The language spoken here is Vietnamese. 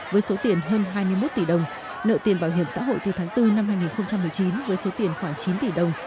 với số tiền hơn hai mươi một tỷ đồng nợ tiền bảo hiểm xã hội từ tháng bốn năm hai nghìn một mươi chín với số tiền khoảng chín tỷ đồng